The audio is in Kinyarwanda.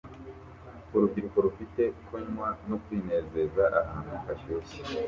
Urubyiruko rufite kunywa no kwinezeza ahantu hashyushye